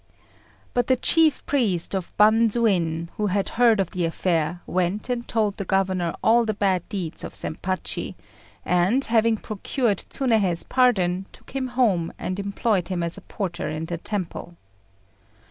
But the Chief Priest of Bandzuin, who had heard of the affair, went and told the governor all the bad deeds of Zempachi, and having procured Tsunéhei's pardon, took him home and employed him as porter in the temple.